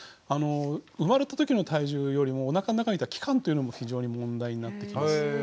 生まれたときの体重よりもおなかの中にいた期間というのも非常に問題になってきます。